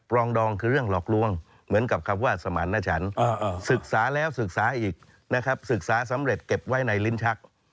รองดองคือเรื่องหลอกลวงเหมือนกับคำว่าสมารณชันศึกษาแล้วศึกษาอีกนะครับศึกษาสำเร็จเก็บไว้ในลิ้นชัก